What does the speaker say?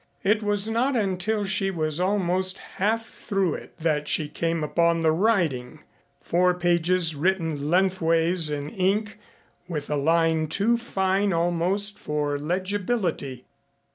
It was not until she was almost half through it that she came upon the writing four pages written lengthways in ink with a line too fine almost for legibility.